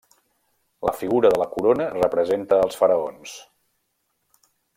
La figura de la corona representa als faraons.